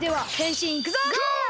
ゴー！